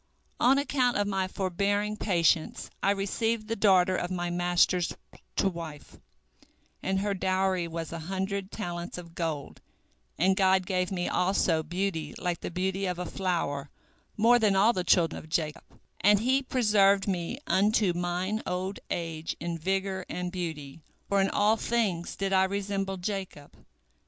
On account of my forbearing patience I received the daughter of my master to wife, and her dowry was a hundred talents of gold, and God gave me also beauty like the beauty of a flower, more than all the children of Jacob, and He preserved me unto mine old age in vigor and beauty, for in all things did I resemble Jacob."